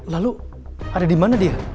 lalu ada dimana dia